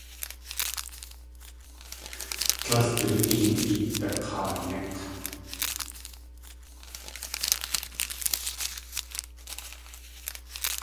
Líl du een idak̲aaník̲!